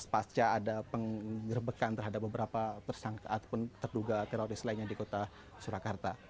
pasca ada penggerbekan terhadap beberapa tersangka ataupun terduga teroris lainnya di kota surakarta